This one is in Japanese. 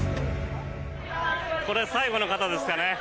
これ、最後の方ですかね。